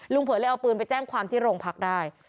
เผยเลยเอาปืนไปแจ้งความที่โรงพักได้